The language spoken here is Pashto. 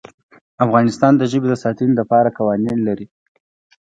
افغانستان د ژبې د ساتنې لپاره قوانین لري.